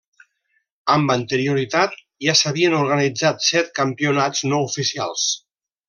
Amb anterioritat ja s'havien organitzat set campionats no oficials.